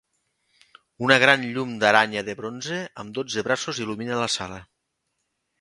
Una gran llum d'aranya de bronze amb dotze braços il·lumina la sala.